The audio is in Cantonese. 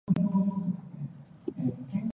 你哋包唔包送貨？